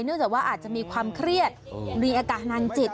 เนื่องจากว่าอาจจะมีความเครียดมีอากาศนานจิต